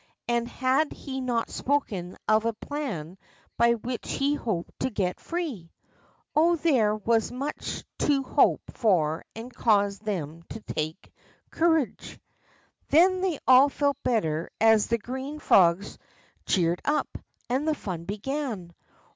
And had he not spoken of a plan by which he hoped to get free ? Oh, there was much to hope for and cause them to take courage. Then they all felt better as the green frogs cheered up, and the fun began.